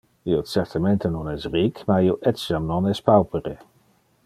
Io certemente non es ric, ma io etiam non es paupere.